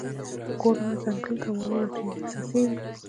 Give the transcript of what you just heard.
ګورمه ځنګله ته، واوره ترې څڅیږي